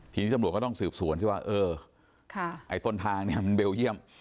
ทีนี้จำลวงก็ต้องสืบสวนว่าต้นทางเบลเยี่ยม